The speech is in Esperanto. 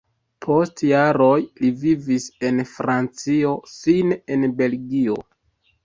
Post jaroj li vivis en Francio, fine en Belgio.